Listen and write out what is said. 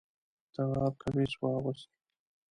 تواب کمیس واغوست.